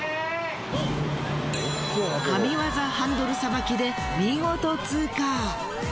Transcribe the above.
神業ハンドルさばきで見事通過。